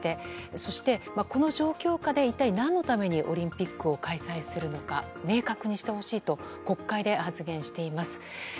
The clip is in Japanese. そして、この状況下で一体何のためにオリンピックを開催するのか明確にしてほしいと国会で発言しています。